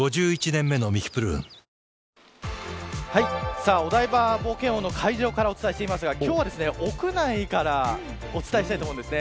さあ、お台場冒険王の会場からお伝えしていますが今日は屋内からお伝えしたいと思います。